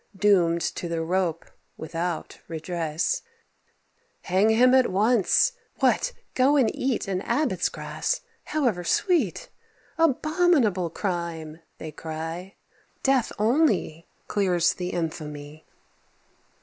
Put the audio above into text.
Doom'd to the rope, without redress, "Hang him at once! What! go and eat An Abbot's grass, however sweet! Abominable crime!" they cry; "Death only clears the infamy."